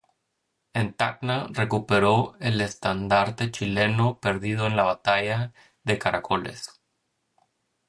En Tacna, recuperó el estandarte chileno perdido en la batalla de Caracoles.